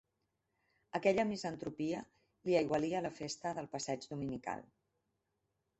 Aquella misantropia li aigualia la festa del passeig dominical.